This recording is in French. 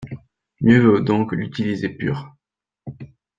Mieux vaut donc l'utiliser pur.